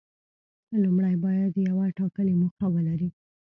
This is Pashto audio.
لومړی باید یوه ټاکلې موخه ولري.